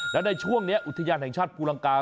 แล้วในช่วงนี้อุทยานแห่งชาติภูลังกา